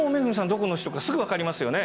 どこのお城かすぐ分かりますよね。